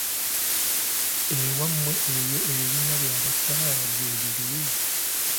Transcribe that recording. Ewammwe eyo ebibiina bya bakyala gyebiri.